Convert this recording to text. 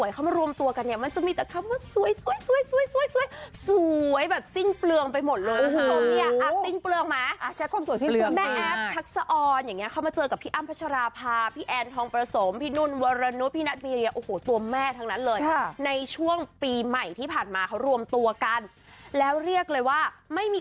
ก็พวกเรานี่ไงอ่ะอย่างพวกเรานี่อ่ะมันจะไม่เกิดเหตุการณ์เหมือนนี้